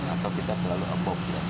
atau kita selalu above